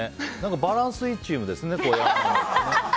バランスがいいチームですね。